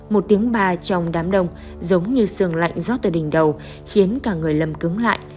một tiếng ba trong đám đông giống như sương lạnh rót từ đỉnh đầu khiến cả người lầm cứng lại